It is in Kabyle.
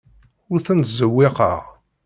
Ur ten-ttzewwiqeɣ.